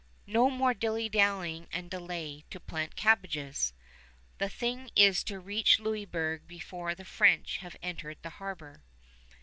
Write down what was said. No more dillydallying and delay "to plant cabbages!" The thing is to reach Louisburg before the French have entered the harbor.